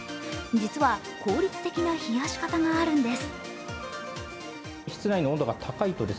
実は、効率的な冷やし方があるんです。